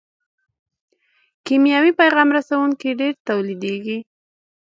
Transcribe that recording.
کیمیاوي پیغام رسوونکي ډېر تولیدیږي.